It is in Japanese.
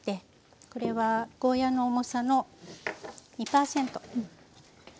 これはゴーヤーの重さの２％。